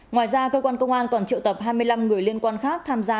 ngoài ra cơ quan công an còn triệu tập hai mươi năm người liên quan khác tham gia